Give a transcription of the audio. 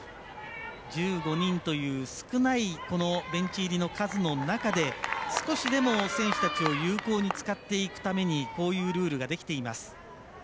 １５人という少ないベンチ入りの数の中で少しでも選手たちを有効に使っていくためにこういうルールができています。